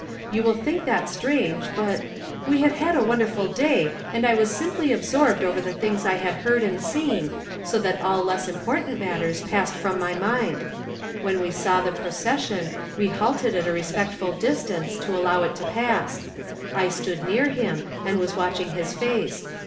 You will think that strange ; but — we had had a wonderful day, and I was simply absorbed over the things that I had heard and seen, so that all less important mattei s passed from my mind. When we saw the procession we halted at a respectful distance, to allow it to pass. I stood near him, and was watching his face.